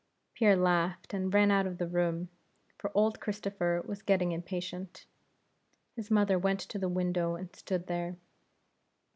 Pierre laughed, and ran out of the room, for old Christopher was getting impatient. His mother went to the window and stood there.